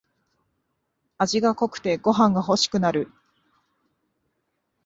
味が濃くてご飯がほしくなる